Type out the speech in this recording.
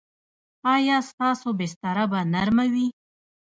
ایا ستاسو بستره به نرمه وي؟